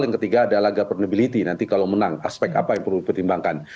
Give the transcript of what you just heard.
yang ketiga adalah governbility nanti kalau menang aspek apa yang perlu dipertimbangkan